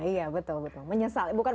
iya betul menyesal